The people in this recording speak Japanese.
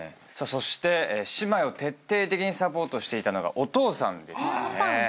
そして姉妹を徹底的にサポートしていたのがお父さんでしたね。